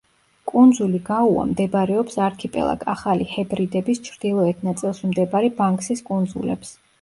კუნძული გაუა მდებარეობს არქიპელაგ ახალი ჰებრიდების ჩრდილოეთ ნაწილში მდებარე ბანქსის კუნძულებს.